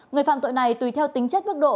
người phạm tội này tùy theo tính chất mức độ